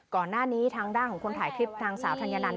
ก่อนหน้านี้ทางด้านของคนถ่ายคลิปนางสาวธัญนัน